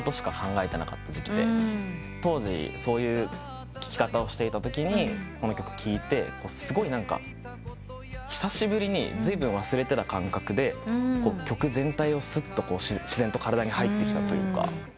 当時そういう聴き方をしていたときにこの曲聴いてすごい久しぶりにずいぶん忘れてた感覚で曲全体をすっと自然と体に入ってきたというか。